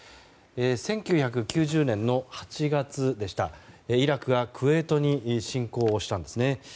１９９０年の８月でしたイラクがクウェートに侵攻をしたんですね。